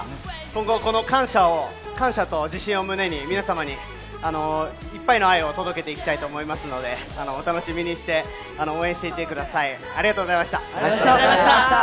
今後この感謝を感謝と自信を胸に皆様にいっぱいの愛を届けていきたいと思いますので、お楽しみにして、応援していてください。